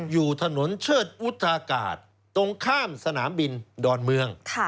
อยู่ถนนเชิดวุฒากาศตรงข้ามสนามบินดอนเมือง